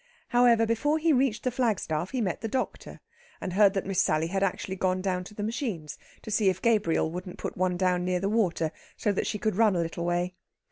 However, before he reached the flagstaff he met the doctor, and heard that Miss Sally had actually gone down to the machines to see if Gabriel wouldn't put one down near the water, so that she could run a little way.